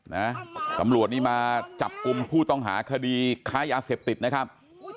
นะตำรวจนี่มาจับกลุ่มผู้ต้องหาคดีค้ายาเสพติดนะครับ